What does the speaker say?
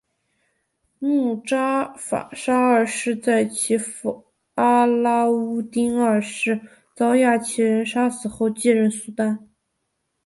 慕扎法沙二世在其父阿拉乌丁二世遭亚齐人杀死后继任苏丹。